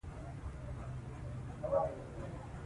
اوږده غرونه د افغانستان د اقتصادي ودې لپاره ارزښت لري.